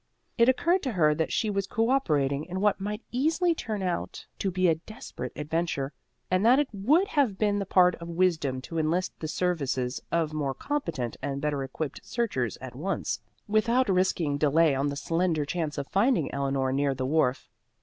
It occurred to her that she was cooperating in what might easily turn out to be a desperate adventure, and that it would have been the part of wisdom to enlist the services of more competent and better equipped searchers at once, without risking delay on the slender chance of finding Eleanor near the wharf.